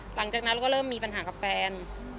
หลังจากนั้นเราก็เริ่มมีปัญหากับแฟน